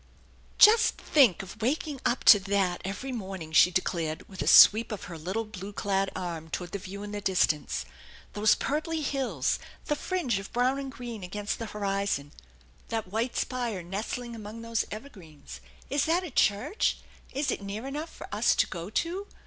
"Just think of waking up to that every morning," she declared with a sweep of her little blue elad arm toward the view in the distance. "Those purply hills, the fringe of 80 THE ENCHANTED BARN brown and green against the horizon, that white spire nestling among those evergreens! Is that a church? Is it near enough for us to go to?